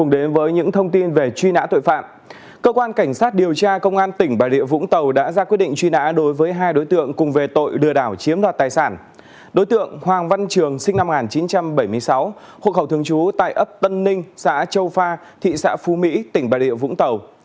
đối tượng hoàng văn trường sinh năm một nghìn chín trăm bảy mươi sáu hộ khẩu thường trú tại ấp tân ninh xã châu pha thị xã phú mỹ tỉnh bà rịa vũng tàu